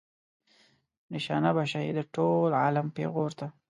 نشانه به شئ د ټول عالم پیغور ته.